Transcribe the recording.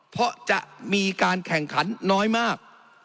เพราะจะมีการแข่งขันน้อยมาก